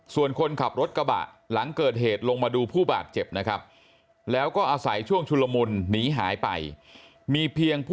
ส่วนคนขับรถกระบะหลังเกิดเหตุลงมาดูผู้บาดเจ็บนะครับแล้วก็อาศัยช่วงชุลมุนหนีหายไปมีเพียงผู้